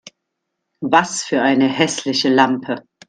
Was für eine hässliche Lampe!